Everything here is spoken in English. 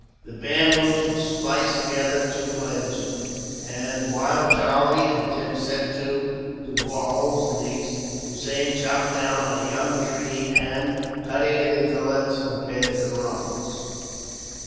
The bamboos were spliced together, two and two; and while Charlie and Tim set to, to bore holes in these, Hossein chopped down a young tree and, cutting it into lengths, prepared the rungs.